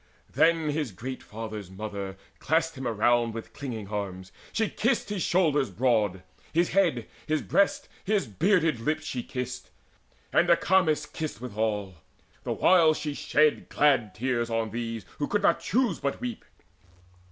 Then his great father's mother clasped him round With clinging arms: she kissed his shoulders broad, His head, his breast, his bearded lips she kissed, And Acamas kissed withal, the while she shed Glad tears on these who could not choose but weep.